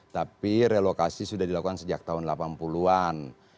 tapi relokasi sudah dilakukan sejak tahun delapan puluh an